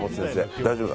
大丈夫だ。